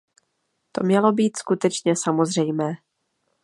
To by mělo být skutečně samozřejmé.